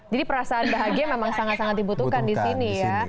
jadi perasaan bahagia memang sangat sangat dibutuhkan di sini ya